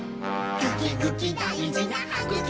ぐきぐきだいじなはぐきだよ！」